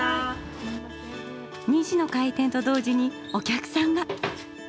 ２時の開店と同時にお客さんが！